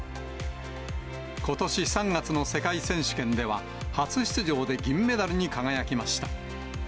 ことし３月の世界選手権では、初出場で銀メダルに輝きました。